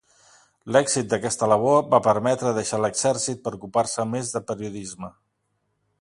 L'èxit d'aquesta labor va permetre deixar l'exèrcit per ocupar-se més de periodisme.